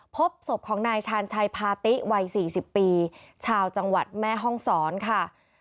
พบศพของนายชาญชัยพาติวัย๔๐ปีชาวจังหวัดแม่ห้องศรค่ะ